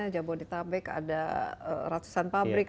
jabodetabek ada ratusan pabrik